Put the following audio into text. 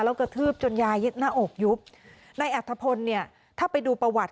แล้วกระทืบจนยายยึดหน้าอกยุบนายอัธพลเนี่ยถ้าไปดูประวัติ